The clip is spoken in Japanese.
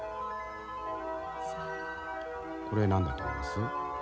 これ何だと思います？